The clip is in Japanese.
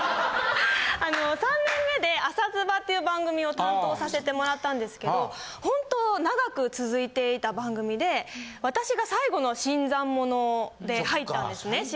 ３年目で『朝ズバッ！』っていう番組を担当させてもらったんですけど本当長く続いていた番組で私が最後の新参者で入ったんですね